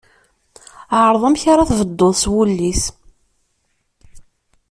Ɛreḍ amek ara tbedduḍ s wullis.